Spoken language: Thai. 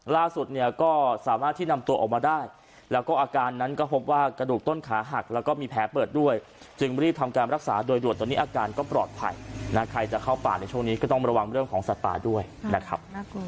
ล่าสุดเนี่ยก็สามารถที่นำตัวออกมาได้แล้วก็อาการนั้นก็พบว่ากระดูกต้นขาหักแล้วก็มีแผลเปิดด้วยจึงรีบทำการรักษาโดยด่วนตอนนี้อาการก็ปลอดภัยนะใครจะเข้าป่าในช่วงนี้ก็ต้องระวังเรื่องของสัตว์ป่าด้วยนะครับ